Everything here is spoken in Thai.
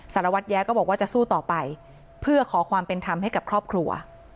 สารวัตรแย้ก็บอกว่าจะสู้ต่อไปเพื่อขอความเป็นธรรมให้กับครอบครัว